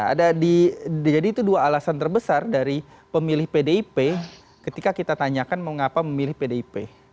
ada di jadi itu dua alasan terbesar dari pemilih pdip ketika kita tanyakan mengapa memilih pdip